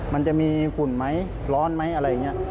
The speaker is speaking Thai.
มันจะมีฝุ่นไหมร้อนไหมอะไรอย่างนี้